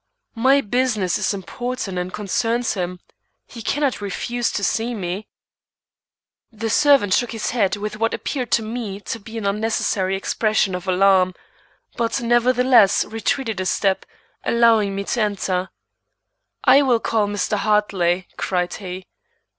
"My business is important and concerns him. He cannot refuse to see me." The servant shook his head with what appeared to me to be an unnecessary expression of alarm, but nevertheless retreated a step, allowing me to enter. "I will call Mr. Hartley," cried he.